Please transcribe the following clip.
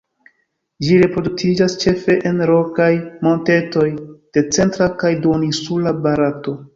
Ĝi reproduktiĝas ĉefe en rokaj montetoj de centra kaj duoninsula Barato.